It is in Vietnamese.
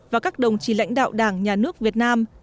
và các đồng chí lãnh đạo đảng nhà nước việt nam